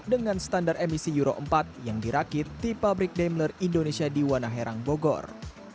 dengan standar emisi euro empat yang dirakit di pabrik daimler indonesia di wanaherang bogor